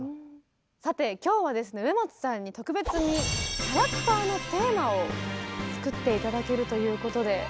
さて今日はですね植松さんに特別にキャラクターのテーマを作って頂けるということで。